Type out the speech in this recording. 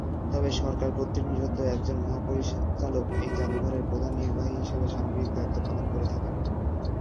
তবে সরকার কর্তৃক নিযুক্ত একজন মহাপরিচালক এই জাদুঘরের প্রধান নির্বাহী হিসেবে সামগ্রিক দায়িত্ব পালন করে থাকেন।